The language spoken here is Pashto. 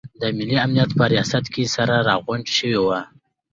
د ملي امنیت په ریاست کې سره راغونډ شوي وو.